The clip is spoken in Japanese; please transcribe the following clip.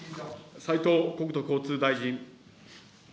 斉藤国土交通大臣。